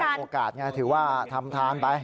โอกาสไงถือว่าทำทานไป